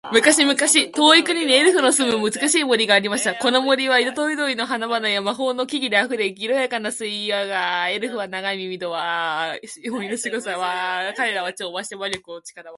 昔々、遠い国にエルフの住む美しい森がありました。この森は、色とりどりの花々や魔法の木々で溢れ、清らかな水源が湧き出ていました。エルフは、長い耳と美しい瞳を持ち、森の守護者として知られていました。彼らは自然と調和し、魔法の力を扱うことができました。